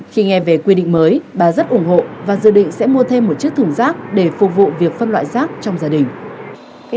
khi nghe về quy định mới bà rất ủng hộ và dự định sẽ mua thêm một chiếc thùng rác để phục vụ việc phân loại rác trong gia đình